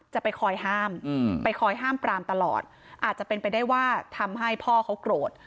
จะไปคอยห้ามไปคอยห้ามปรามตลอดอาจจะเป็นไปได้ว่าทำให้พ่อเขาโกรธ